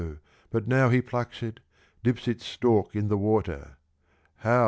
but now He plucks it, dips its stalk in the water: how!